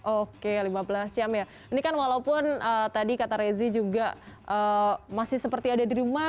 oke lima belas jam ya ini kan walaupun tadi kata rezi juga masih seperti ada di rumah